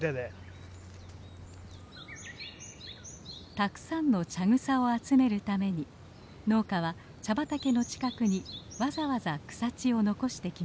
たくさんの茶草を集めるために農家は茶畑の近くにわざわざ草地を残してきました。